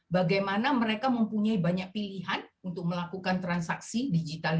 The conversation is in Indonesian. bagaimana mereka mempunyai banyak pilihan untuk melakukan transaksi digital